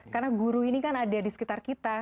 karena guru ini kan ada di sekitar kita